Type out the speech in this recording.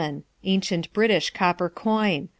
Ancient British copper coin.